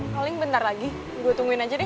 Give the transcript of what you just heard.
paling bentar lagi gue tungguin aja deh